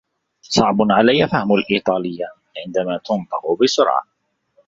صعب عليّ فهم الإيطالية عندما تُنطق بسرعة.